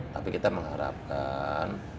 tapi kita mengharapkan